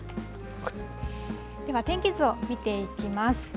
では、天気図を見ていきます。